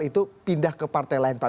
itu pindah ke partai lain pak